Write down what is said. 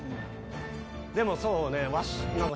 でもそうね何か。